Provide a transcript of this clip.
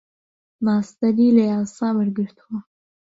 ماستەری لە یاسا وەرگرتووە.